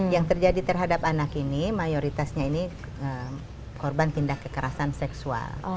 yang terjadi terhadap anak ini mayoritasnya ini korban tindak kekerasan seksual